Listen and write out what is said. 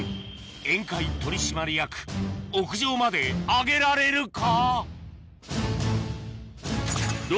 宴会取締役屋上まで上げられるか？